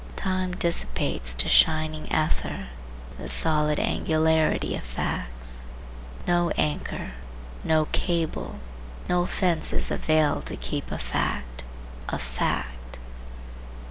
Time dissipates to shining ether the solid angularity of facts. No anchor, no cable, no fences avail to keep a fact a fact.